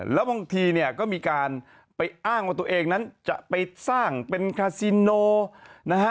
แล้วบางทีเนี่ยก็มีการไปอ้างว่าตัวเองนั้นจะไปสร้างเป็นคาซิโนนะฮะ